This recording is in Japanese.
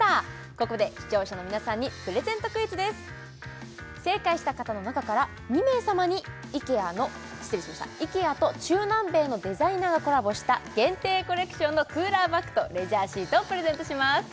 ここで視聴者の皆さんにプレゼントクイズです正解した方の中から２名様にイケアの失礼しましたイケアと中南米のデザイナーがコラボした限定コレクションのクーラーバッグとレジャーシートをプレゼントします